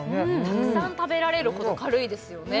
たくさん食べられるほど軽いですよね